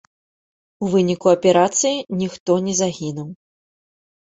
У выніку аперацыі ніхто не загінуў.